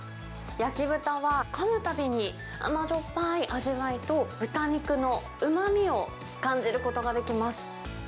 焼き豚はかむたびに甘じょっぱい味わいと、豚肉のうまみを感じることができます。